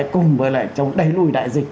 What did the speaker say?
cùng với lại trong đầy lùi đại dịch